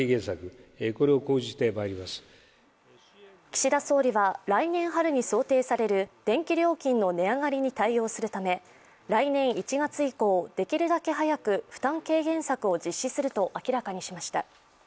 岸田総理は来年春に想定される電気料金の値上がりに対応するため来年１月以降できるだけ早く負担軽減策を実施する明らかにしました。